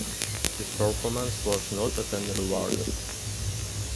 His performance was noted and rewarded.